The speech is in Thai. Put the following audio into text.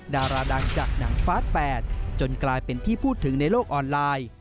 ดาราดังจากหนังฟาส๘จนกลายเป็นที่พูดถึงในโลกออนไลน์